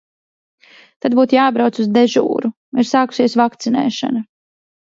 Tad būtu jābrauc uz dežūru. Ir sākusies vakcinēšana.